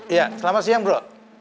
iya selamat siang bro